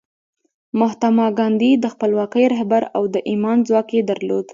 مهاتما ګاندي د خپلواکۍ رهبر و او د ایمان ځواک یې درلود